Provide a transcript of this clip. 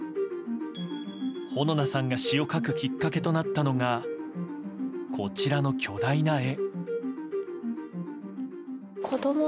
穂菜さんが詩を書くきっかけとなったのがこちらの巨大な絵。